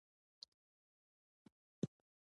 هغوی صمیمي اړیکې لري او یو ځای ښکار کوي.